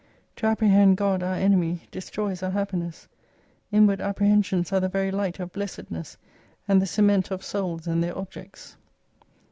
To apprehend God our enemy destroys our happiness. Inward apprehensions are the very light of blessedness, and the cement of souls and their objects.